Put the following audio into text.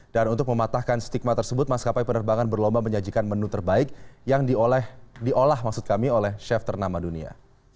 dan untuk mematahkan stigma tersebut mas kapai penerbangan berlomba menyajikan menu terbaik yang diolah oleh chef ternama dunia